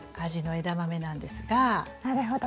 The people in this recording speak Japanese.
なるほど。